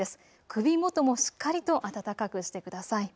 首元もしっかりと暖かくしてください。